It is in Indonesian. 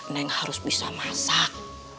neng harus bisa masak